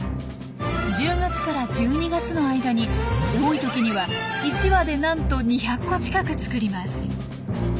１０月から１２月の間に多い時には１羽でなんと２００個近く作ります。